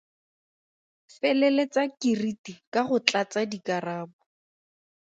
Feleletsa keriti ka go tlatsa dikarabo.